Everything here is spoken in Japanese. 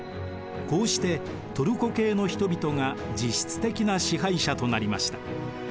こうしてトルコ系の人々が実質的な支配者となりました。